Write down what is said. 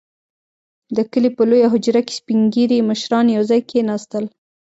• د کلي په لويه حجره کې سپين ږيري مشران يو ځای کښېناستل.